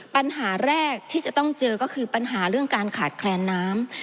ปัญหาแรกที่จะต้องเจอก็คือปัญหาเรื่องการขาดแคลนน้ำ